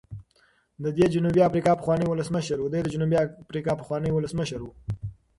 دی د جنوبي افریقا پخوانی ولسمشر و.